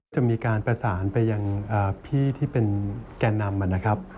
จะมีการประสานไปยังพี่ที่เป็นแก่นำนะครับ